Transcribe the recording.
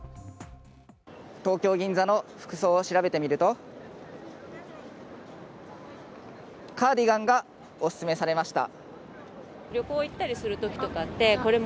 東京・銀座の服装を調べてみるとカーディガンがオススメされました。